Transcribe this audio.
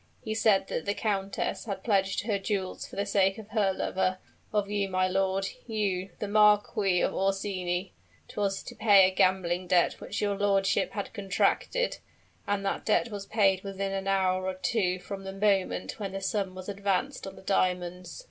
He said that the countess had pledged her jewels for the sake of her lover of you, my lord you, the Marquis of Orsini. 'Twas to pay a gambling debt which your lordship had contracted; and that debt was paid within an hour or two from the moment when the sum was advanced on the diamonds.